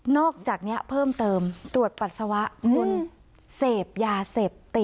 อกจากนี้เพิ่มเติมตรวจปัสสาวะคุณเสพยาเสพติด